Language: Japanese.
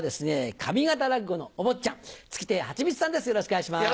上方落語のお坊ちゃん月亭八光さんです